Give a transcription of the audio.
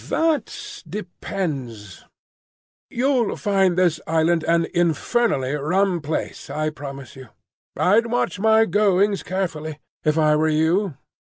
"That depends. You'll find this island an infernally rum place, I promise you. I'd watch my goings carefully, if I were you.